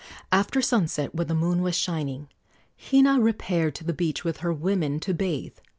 After sunset, when the moon was shining, Hina repaired to the beach with her women to bathe.